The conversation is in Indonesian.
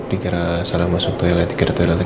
dikira salah masuk toilet dikira toilet lagi